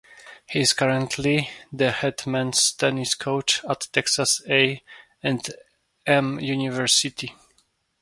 He is currently the head men's tennis coach at Texas A and M University.